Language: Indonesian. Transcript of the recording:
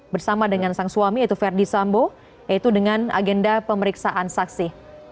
bersama dengan sang suami yaitu verdi sambo yaitu dengan agenda pemeriksaan saksi